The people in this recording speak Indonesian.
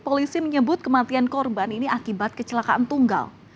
polisi menyebut kematian korban ini akibat kecelakaan tunggal